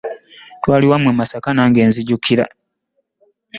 Twali wammwe Masaka nange nzijukira.